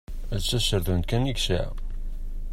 D taserdunt kan i yesεa.